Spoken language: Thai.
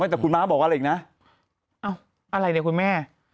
แต่คุณมาบอกอะไรอีกนะ